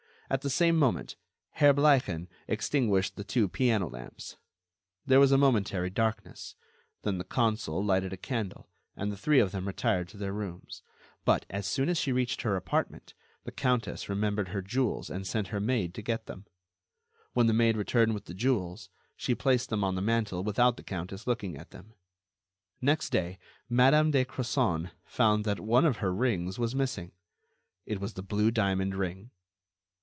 At the same moment, Herr Bleichen extinguished the two piano lamps. There was a momentary darkness; then the consul lighted a candle, and the three of them retired to their rooms. But, as soon as she reached her apartment, the countess remembered her jewels and sent her maid to get them. When the maid returned with the jewels, she placed them on the mantel without the countess looking at them. Next day, Madame de Crozon found that one of her rings was missing; it was the blue diamond ring.